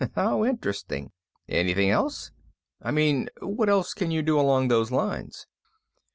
"How interesting. Anything else? I mean, what else can you do along those lines?"